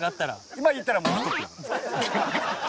今言ったらもうストップ！